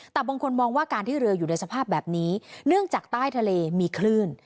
แต่บางคนมองว่าการที่เรืออยู่ในสภาพแบบนี้เนื่องจากใต้ทะเลมีคลื่น